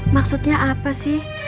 maksudnya apa sih